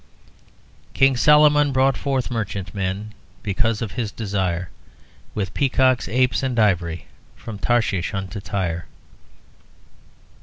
"King Solomon brought merchant men Because of his desire With peacocks, apes, and ivory, From Tarshish unto Tyre."